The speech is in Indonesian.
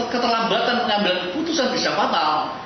keterlambatan pengambilan keputusan bisa fatal